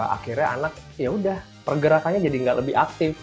akhirnya anak yaudah pergerakannya jadi nggak lebih aktif